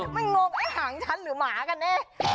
ไม่งงหางฉันหรือหมากันเนี่ย